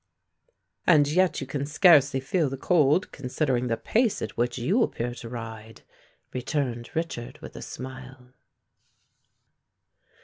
"And yet you can scarcely feel the cold, considering the pace at which you appear to ride," returned Richard with a smile.